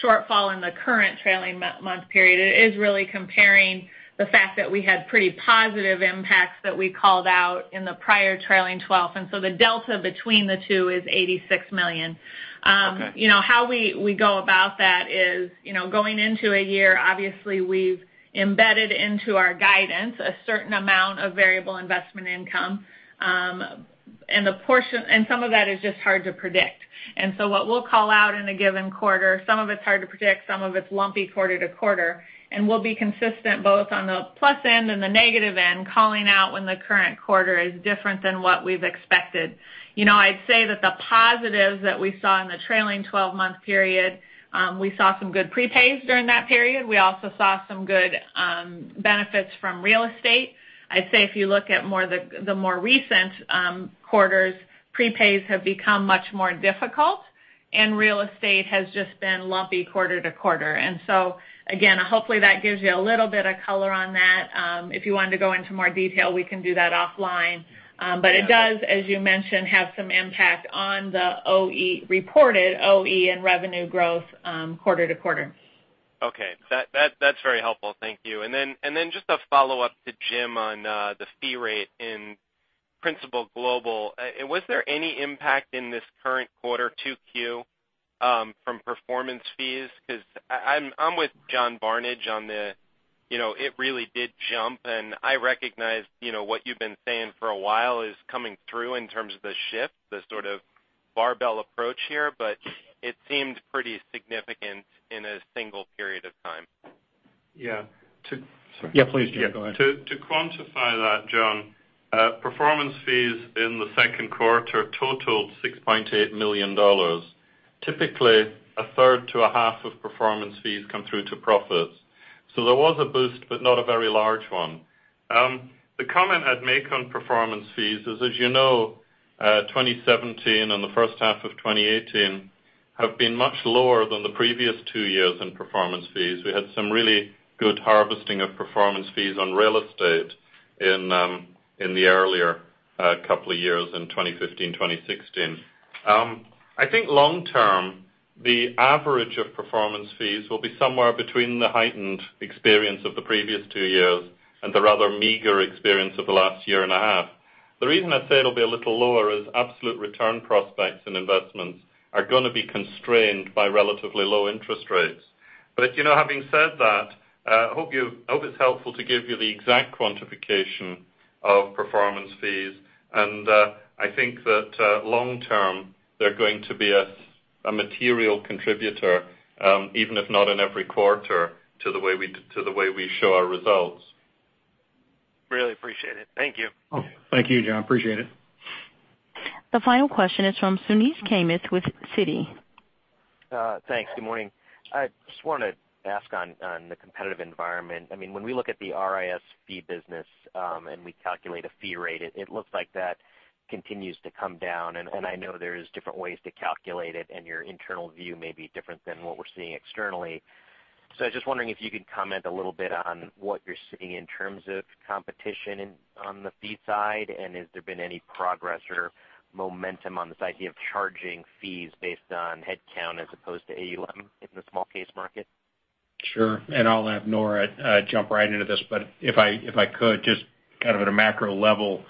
shortfall in the current trailing month period. It is really comparing the fact that we had pretty positive impacts that we called out in the prior trailing 12. The delta between the two is $86 million. Okay. How we go about that is going into a year, obviously, we've embedded into our guidance a certain amount of variable investment income. Some of that is just hard to predict. What we'll call out in a given quarter, some of it's hard to predict, some of it's lumpy quarter to quarter, and we'll be consistent both on the plus end and the negative end, calling out when the current quarter is different than what we've expected. I'd say that the positives that we saw in the trailing 12-month period, we saw some good prepays during that period. We also saw some good benefits from real estate. I'd say if you look at the more recent quarters, prepays have become much more difficult, and real estate has just been lumpy quarter to quarter. Again, hopefully, that gives you a little bit of color on that. If you wanted to go into more detail, we can do that offline. It does, as you mentioned, have some impact on the OE reported, OE and revenue growth, quarter-to-quarter. Okay. That's very helpful. Thank you. Just a follow-up to Jim on the fee rate in Principal Global. Was there any impact in this current quarter 2Q from performance fees? Because I'm with John Barnidge on the it really did jump, and I recognize what you've been saying for a while is coming through in terms of the shift, the sort of barbell approach here, but it seemed pretty significant in a single period of time. Yeah. Yeah, please, go ahead. To quantify that, John, performance fees in the second quarter totaled $6.8 million. Typically, a third to a half of performance fees come through to profits. There was a boost, but not a very large one. The comment I'd make on performance fees is, as you know, 2017 and the first half of 2018 have been much lower than the previous two years in performance fees. We had some really good harvesting of performance fees on real estate in the earlier couple of years, in 2015, 2016. I think long term, the average of performance fees will be somewhere between the heightened experience of the previous two years and the rather meager experience of the last year and a half. The reason I say it'll be a little lower is absolute return prospects and investments are going to be constrained by relatively low interest rates. Having said that, I hope it's helpful to give you the exact quantification of performance fees. I think that long term, they're going to be a material contributor, even if not in every quarter, to the way we show our results. Really appreciate it. Thank you. Oh, thank you, John. Appreciate it. The final question is from Suneet Kamath with Citi. Thanks. Good morning. I just wanted to ask on the competitive environment. When we look at the RIS fee business, and we calculate a fee rate, it looks like that continues to come down, and I know there's different ways to calculate it, and your internal view may be different than what we're seeing externally. I was just wondering if you could comment a little bit on what you're seeing in terms of competition on the fee side, and has there been any progress or momentum on this idea of charging fees based on head count as opposed to AUM in the small case market? Sure. I'll have Nora jump right into this. If I could, just at a macro level,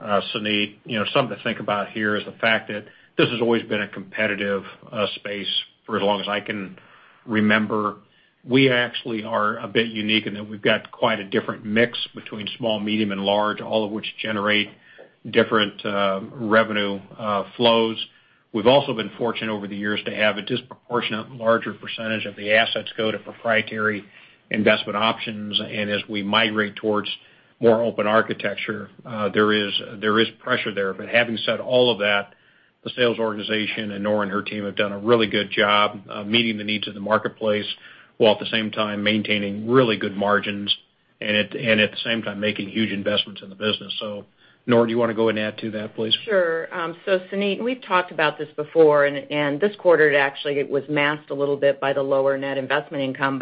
Suneet, something to think about here is the fact that this has always been a competitive space for as long as I can remember. We actually are a bit unique in that we've got quite a different mix between small, medium, and large, all of which generate different revenue flows. We've also been fortunate over the years to have a disproportionate larger percentage of the assets go to proprietary investment options. As we migrate towards more open architecture, there is pressure there. Having said all of that, the sales organization and Nora and her team have done a really good job of meeting the needs of the marketplace, while at the same time maintaining really good margins. At the same time, making huge investments in the business. Nora, do you want to go and add to that, please? Sure. Suneet, we've talked about this before, and this quarter, it actually was masked a little bit by the lower net investment income.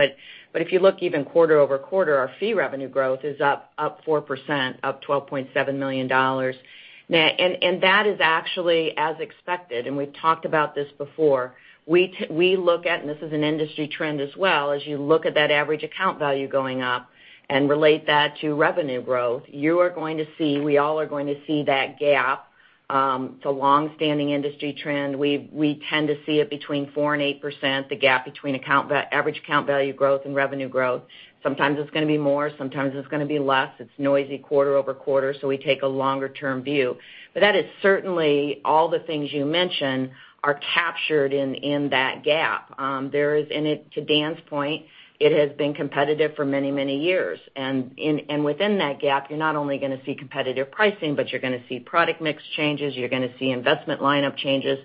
If you look even quarter-over-quarter, our fee revenue growth is up 4%, up $12.7 million. That is actually as expected, and we've talked about this before. We look at, this is an industry trend as well, as you look at that average account value going up and relate that to revenue growth, you are going to see, we all are going to see that gap. It's a longstanding industry trend. We tend to see it between 4% and 8%, the gap between average account value growth and revenue growth. Sometimes it's going to be more, sometimes it's going to be less. It's noisy quarter-over-quarter, we take a longer-term view. That is certainly all the things you mentioned are captured in that gap. To Dan's point, it has been competitive for many, many years. Within that gap, you're not only going to see competitive pricing, but you're going to see product mix changes, you're going to see investment lineup changes.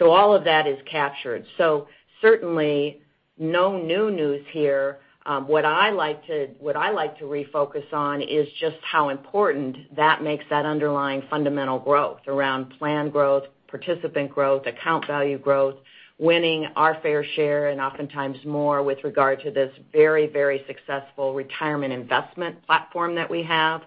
All of that is captured. Certainly, no new news here. What I like to refocus on is just how important that makes that underlying fundamental growth around plan growth, participant growth, account value growth, winning our fair share, and oftentimes more with regard to this very successful retirement investment platform that we have,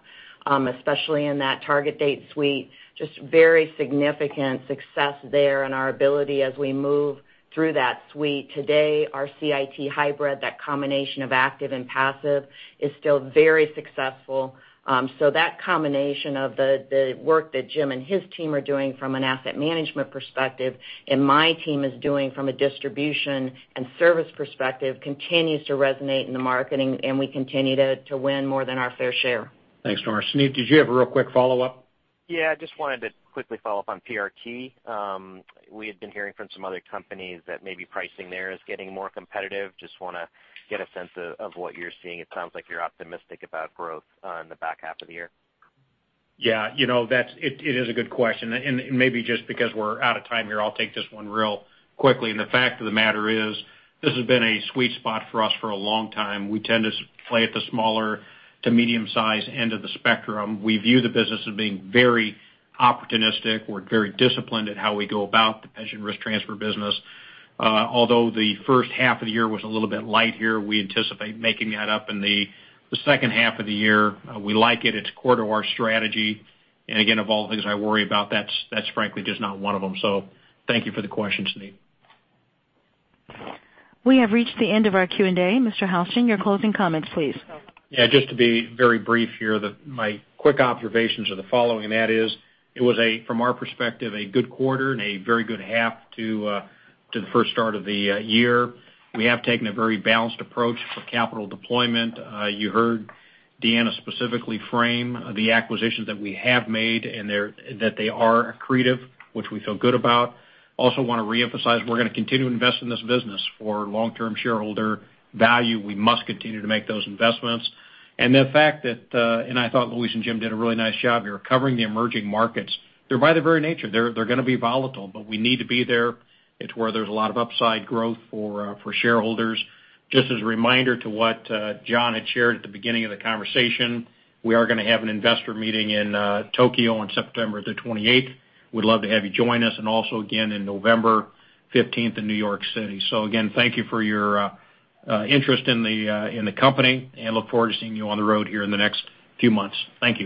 especially in that target date suite, just very significant success there in our ability as we move through that suite. Today, our CIT hybrid, that combination of active and passive is still very successful. That combination of the work that Jim and his team are doing from an asset management perspective and my team is doing from a distribution and service perspective, continues to resonate in the marketing, we continue to win more than our fair share. Thanks, Nora. Suneet, did you have a real quick follow-up? Yeah, I just wanted to quickly follow up on PRT. We had been hearing from some other companies that maybe pricing there is getting more competitive. Just want to get a sense of what you're seeing. It sounds like you're optimistic about growth in the back half of the year. Yeah. It is a good question. Maybe just because we're out of time here, I'll take this one real quickly. The fact of the matter is, this has been a sweet spot for us for a long time. We tend to play at the smaller to medium size end of the spectrum. We view the business as being very opportunistic. We're very disciplined at how we go about the pension risk transfer business. Although the first half of the year was a little bit light here, we anticipate making that up in the second half of the year. We like it. It's core to our strategy. Again, of all the things I worry about, that's frankly just not one of them. Thank you for the question, Suneet. We have reached the end of our Q&A. Mr. Houston, your closing comments, please. Yeah, just to be very brief here. My quick observations are the following, and that is, it was from our perspective, a good quarter and a very good half to the first start of the year. We have taken a very balanced approach for capital deployment. You heard Deanna specifically frame the acquisitions that we have made, and that they are accretive, which we feel good about. Also want to reemphasize, we're going to continue to invest in this business for long-term shareholder value. We must continue to make those investments. I thought Luis and Jim did a really nice job here covering the emerging markets. They're by their very nature. They're going to be volatile, but we need to be there. It's where there's a lot of upside growth for shareholders. Just as a reminder to what John had shared at the beginning of the conversation, we are going to have an investor meeting in Tokyo on September the 28th. We'd love to have you join us, and also again on November 15th in New York City. Again, thank you for your interest in the company, and look forward to seeing you on the road here in the next few months. Thanks.